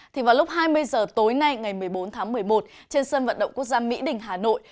thì vào lúc hai mươi h tối nay ngày một mươi bốn tháng một mươi một trên sân vận động quốc gia mỹ đình hà nội